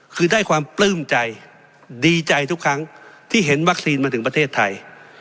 คือได้ความปลื้มใจดีใจทุกครั้งที่เห็นวัคซีนมาถึงประเทศไทย